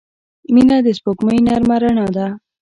• مینه د سپوږمۍ نرمه رڼا ده.